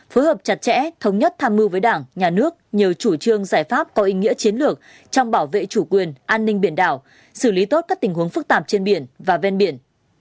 phối hợp chặt chẽ thống nhất tham mưu với đảng nhà nước nhiều chủ trương giải pháp có ý nghĩa chiến lược trong bảo vệ chủ quyền an ninh biển đảo xử lý tốt các tình huống phức tạp trên biển và ven biển